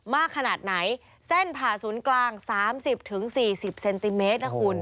มากขนาดไหนเส้นผ่าศูนย์กลาง๓๐๔๐เซนติเมตรนะคุณ